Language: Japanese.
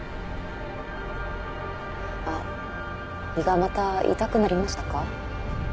あっ胃がまた痛くなりましたか？